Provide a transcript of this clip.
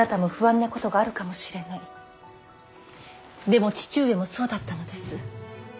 でも父上もそうだったのです。